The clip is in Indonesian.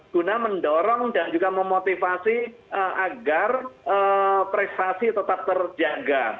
guna mendorong dan juga memotivasi agar prestasi tetap terjaga